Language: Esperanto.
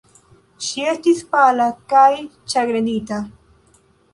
Ŝi estis pala kaj ĉagrenita.